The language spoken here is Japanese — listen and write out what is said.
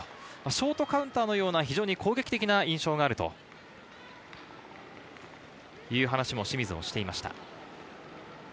ショートカウンターのような攻撃的な印象があるという話をしていました。